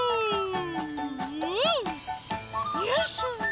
う！よいしょ。